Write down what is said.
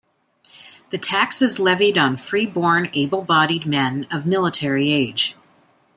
The tax is levied on free-born able-bodied men of military age.